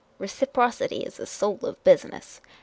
Reciprocity is the soul of business.